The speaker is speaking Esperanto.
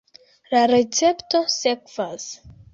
La recepto sekvas.